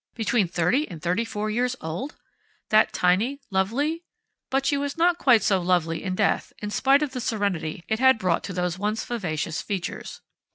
Between thirty and thirty four years old! That tiny, lovely But she was not quite so lovely in death, in spite of the serenity it had brought to those once vivacious features.